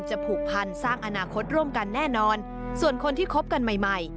ผูกพันสร้างอนาคตร่วมกันแน่นอนส่วนคนที่คบกันใหม่ใหม่